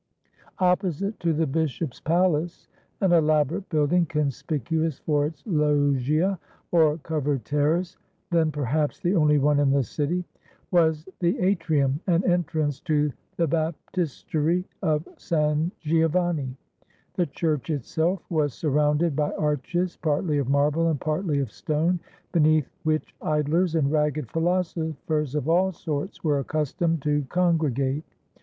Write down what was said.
Opposite to the bishop's palace — an elaborate building conspicuous for its loggia, or covered terrace, then perhaps the only one in the city — was the atrium and entrance to the baptistery of San Giovanni; the church itself was surrounded by arches, partly of marble and partly of stone, beneath which idlers and ragged philosophers of all sorts were accus tomed to congregate.